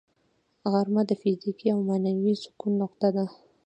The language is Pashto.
غرمه د فزیکي او معنوي سکون نقطه ده